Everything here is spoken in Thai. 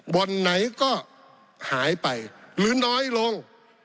บ่อนไหนก็หายไปหรือน้อยลง